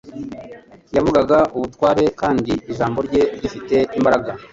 Yavuganaga ubutware kandi ijambo rye rifite imbaraga.